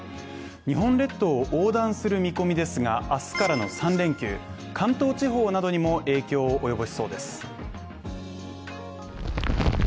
日本列島を横断する見込みですが明日からの３連休、関東地方などにも影響を及ぼしそうです。